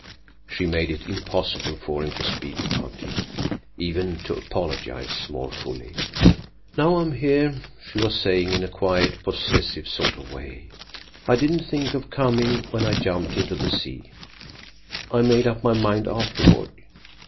She made it impossible for him to speak about it, even to apologize more fully. "Now I am here," she was saying in a quiet, possessive sort of way. "I didn't think of coming when I jumped into the sea. I made up my mind afterward.